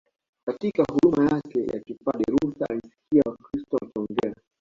Katika huduma yake ya kipadri Luther alisikia Wakristo wakiongea